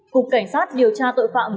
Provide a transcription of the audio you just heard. cục cảnh sát điều tra tội phạm